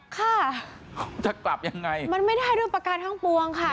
ค่ะจะกลับยังไงมันไม่ได้ด้วยประการทั้งปวงค่ะ